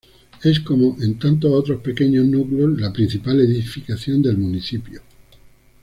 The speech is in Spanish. Es como en tantos otros pequeños núcleos la principal edificación del municipio.